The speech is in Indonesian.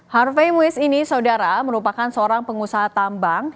harvey wis ini saudara merupakan seorang pengusaha tambang